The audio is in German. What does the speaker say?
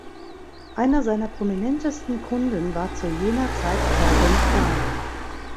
Einer seiner prominentesten Kunden war zu jener Zeit Calvin Klein.